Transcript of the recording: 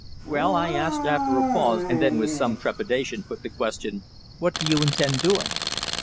"Well," I asked after a pause, and then with some trepidation put the question, "what do you intend doing?"